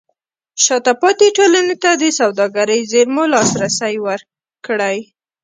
شاته پاتې ټولنې ته د سوداګرۍ زېرمو لاسرسی ورکړئ.